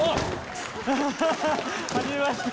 はじめまして。